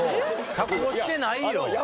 加工してないよ。